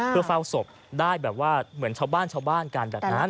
เพื่อเฝ้าศพได้แบบว่าเหมือนชาวบ้านชาวบ้านกันแบบนั้น